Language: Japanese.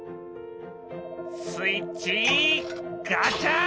スイッチガチャ！